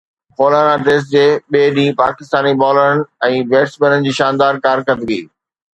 خولانا test جي ٻئي ڏينهن پاڪستاني بالرن ۽ بيٽسمينن جي شاندار ڪارڪردگي